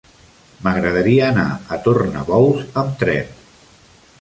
M'agradaria anar a Tornabous amb tren.